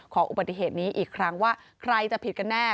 อุบัติเหตุนี้อีกครั้งว่าใครจะผิดกันแน่